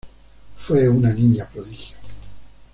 Fue una niña prodigio.